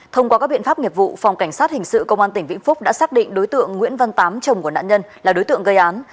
thông qua các biện pháp nghiệp vụ phòng cảnh sát hình sự công an tỉnh vĩnh phúc đã xác định đối tượng nguyễn văn tám chồng của nạn nhân là đối tượng gây án